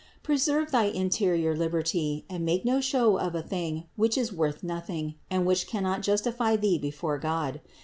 Preserve thy interior liberty and make no show of a thing which is worth nothing and which cannot justify thee before God.